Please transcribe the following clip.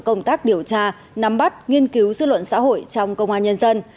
công tác điều tra nắm bắt nghiên cứu dư luận xã hội trong công an nhân dân